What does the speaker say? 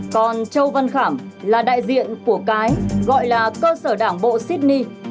còn châu văn khảm là đại diện của cái gọi là cơ sở đảng bộ sydney